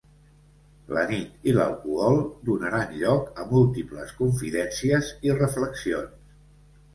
La nit i l'alcohol donaran lloc a múltiples confidències i reflexions.